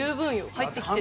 入ってきてる。